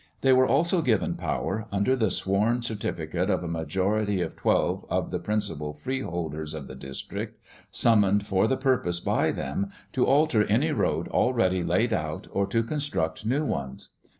They were also given power, upon the sworn certificate of a majority of twelve of the principal freeholders of the district, summoned for the purpose by them, to alter any road already laid out or to construct new ones.